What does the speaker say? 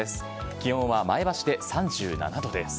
気温は前橋で３７度です。